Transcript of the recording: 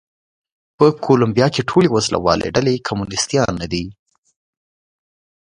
په کولمبیا کې ټولې وسله والې ډلې کمونېستان نه دي.